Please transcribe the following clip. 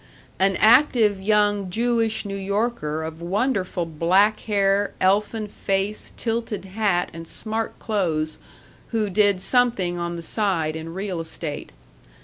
An active young Jewish New Yorker of wonderful black hair, elfin face, tilted hat, and smart clothes, who did something on the side in real estate.